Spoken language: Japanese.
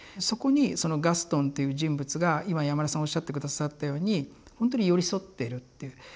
そこにガストンっていう人物が今山根さんおっしゃって下さったようにほんとに寄り添ってるっていう。